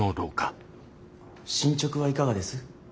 進捗はいかがです？